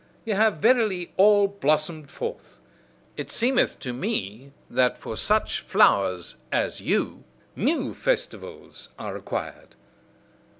Ye have, verily, all blossomed forth: it seemeth to me that for such flowers as you, NEW FESTIVALS are required.